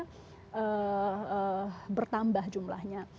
kita harus tambah jumlahnya